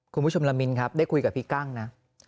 คุณผู้ชมละมินครับได้คุยกับพี่กั้งนะ